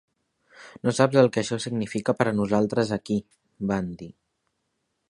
"No saps el que això significa per a nosaltres aquí", van dir.